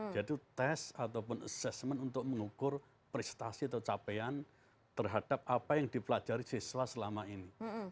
jadi test ataupun assessment untuk mengukur prestasi atau capaian terhadap apa yang dipelajari siswa selama ini